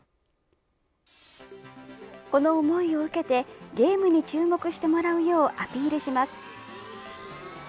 この思いを受けてゲームに注目してもらうようアピールします。